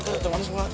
tuh apa keceman semua